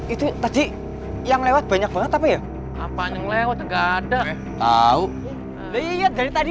itu tadi yang lewat banyak banget tapi ya apa yang lewat gader tahu lihat dari tadi